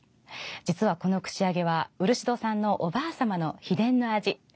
実は、この串揚げは漆戸さんのおばあ様の秘伝の味。